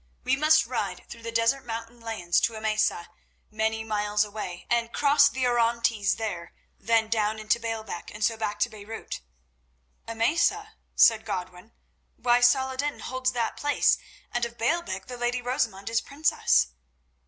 We must ride through the desert mountain lands to Emesa, many miles away, and cross the Orontes there, then down into Baalbec, and so back to Beirut." "Emesa?" said Godwin. "Why Saladin holds that place, and of Baalbec the lady Rosamund is princess."